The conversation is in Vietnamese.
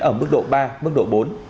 ở mức độ ba mức độ bốn